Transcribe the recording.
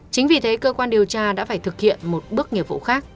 chính vì thế cơ quan điều tra đã phải thực hiện một bước nghiệp vụ khác